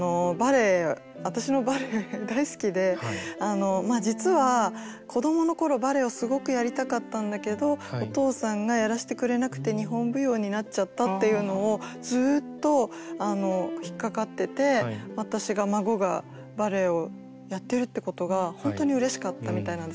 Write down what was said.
私のバレエ大好きで実は子どもの頃バレエをすごくやりたかったんだけどお父さんがやらしてくれなくて日本舞踊になっちゃったっていうのをずっと引っ掛かってて私が孫がバレエをやってるってことが本当にうれしかったみたいなんです。